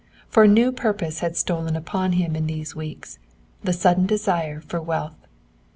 For a new purpose had stolen upon him in these weeks the sudden desire for wealth.